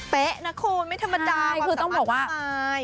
เป๊ะนะคุณไม่ธรรมดาความสามารถทำไม